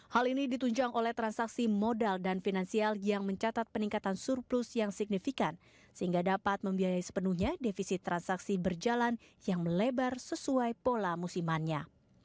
hal ini ditunjang oleh transaksi modal dan finansial yang mencatat peningkatan surplus yang signifikan sehingga dapat membiayai sepenuhnya defisit transaksi berjalan yang melebar sesuai pola musimannya